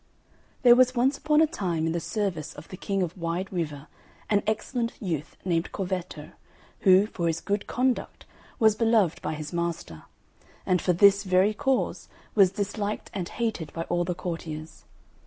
There was once upon a time in the service of the King of Wide River an excellent youth named Corvetto, who, for his good conduct, was beloved by his master; and for this very cause was disliked and hated by all the courtiers.